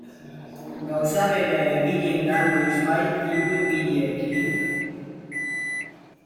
Gauza bera eginen da noizbait ipuingileekin?